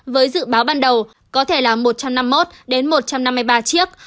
với dự báo ban đầu có thể là một trăm năm mươi một đến một trăm năm mươi ba chiếc